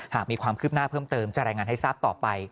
หากมีความคืบหน้าเพิ่มเติมจะรายงานให้ทราบต่อไป